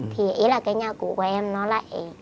thì ý là cái nhà cụ của em nó lại